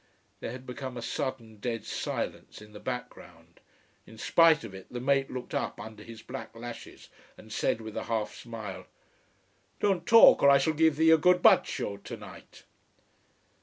There had become a sudden dead silence in the background. In spite of it the mate looked up under his black lashes and said, with a half smile: "Don't talk, or I shall give thee a good bacio to night."